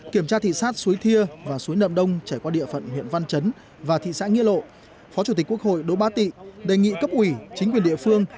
kiểm tra thị sát suối thia và suối nậm đông trải qua địa phận huyện văn chấn và thị xã nghĩa lộ phó chủ tịch quốc hội đỗ ba tị đề nghị cấp ủy chính quyền địa phương